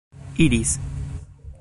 iris